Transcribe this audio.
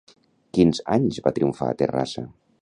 Quins anys va triomfar a Terrassa?